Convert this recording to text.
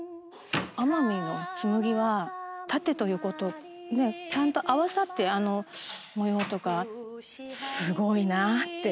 奄美の紬は縦と横とちゃんと合わさってあの模様とかすごいなって。